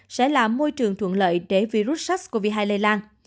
sẽ là môi trường thuận lợi để virus sars cov hai lây lan